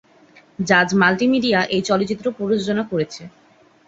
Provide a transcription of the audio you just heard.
জাজ মাল্টিমিডিয়া এই চলচ্চিত্র প্রযোজনা করেছে।